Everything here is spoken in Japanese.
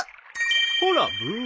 ほらブー。